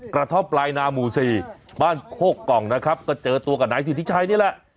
กระท่อมปลายนาหมู่สี่บ้านโคกกล่องนะครับก็เจอตัวกับนายสิทธิชัยนี่แหละ